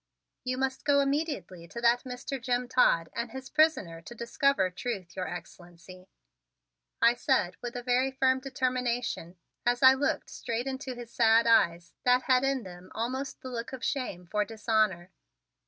"You must go immediately to that Mr. Jim Todd and his prisoner to discover truth, Your Excellency," I said with a very firm determination as I looked straight into his sad eyes that had in them almost the look of shame for dishonor.